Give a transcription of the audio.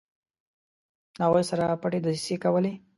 له هغوی سره پټې دسیسې کولې.